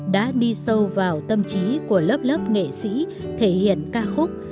đã đi sâu vào tâm trí của lớp lớp nghệ sĩ thể hiện ca khúc